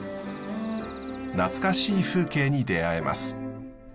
懐かしい風景に出会えます。